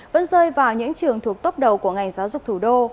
vẫn rơi vào những trường thuộc tốc đầu của ngành giáo dục thủ đô